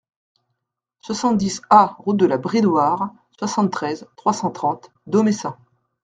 soixante-dix A route de la Bridoire, soixante-treize, trois cent trente, Domessin